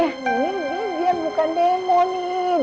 ini dia bukan demo nih